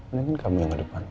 mungkin kamu yang ke depan